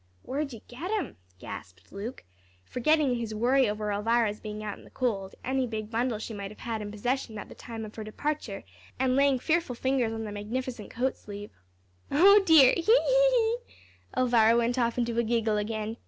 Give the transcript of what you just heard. "Where'd you get 'em?" gasped Luke, forgetting in his worry over Elvira's being out in the cold, any big bundle she might have had in possession at the time of her departure and laying fearful fingers on the magnificent coat sleeve. "O dear, hee hee hee!" Elvira went off into a giggle again.